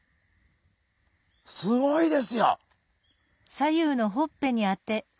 すごいですよ！